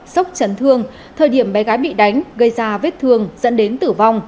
sốc chấn thương thời điểm bé gái bị đánh gây ra vết thương dẫn đến tử vong